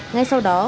ngay sau đó